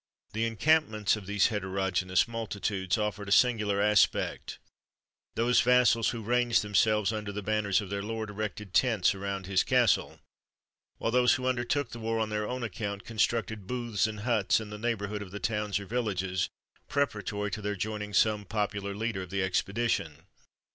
The encampments of these heterogeneous multitudes offered a singular aspect. Those vassals who ranged themselves under the banners of their lord erected tents around his castle; while those who undertook the war on their own account constructed booths and huts in the neighbourhood of the towns or villages, preparatory to their joining some popular leader of the expedition.